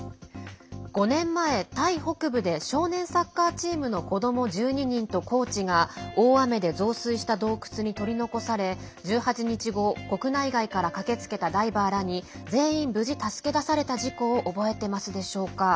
５年前、タイ北部で少年サッカーチームの子ども１２人とコーチが大雨で増水した洞窟に取り残され１８日後、国内外から駆けつけたダイバーらに全員、無事助け出された事故を覚えてますでしょうか。